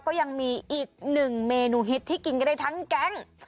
ก็ยังมีอีกหนึ่งเมนูฮิตที่กินกันได้ทั้งแก๊ง